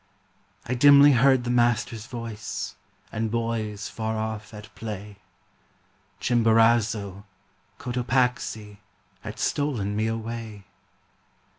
I dimly heard the Master's voice And boys far off at play, Chimborazo, Cotopaxi Had stolen me away.